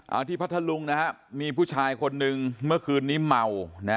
เอาที่พัทธลุงนะฮะมีผู้ชายคนนึงเมื่อคืนนี้เมานะ